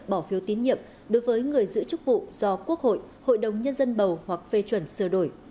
bỏ phiếu tín nhiệm đối với người giữ chức vụ do quốc hội hội đồng nhân dân bầu hoặc phê chuẩn sửa đổi